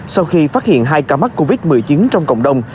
sau khi phát hiện hai ca mắc covid một mươi chín trong cộng đồng